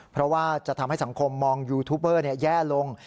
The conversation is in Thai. เพราะว่าจะทำให้สังคมมองยูทูบเบอร์แย่ลง